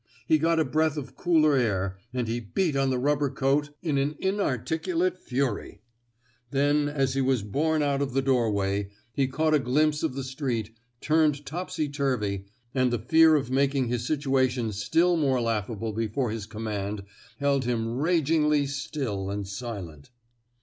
He got a breath of cooler air, and he beat on the rubber coat in an inarticulate 240 A QUESTION OF EETIEEMENT fury. Then, as he was borne out of the door way, he caught a glimpse of the street, turned topsyturvy, and the fear of making his situa tion still more laughable before his command held him ragingly still and silent.